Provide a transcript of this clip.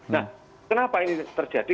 nah kenapa ini terjadi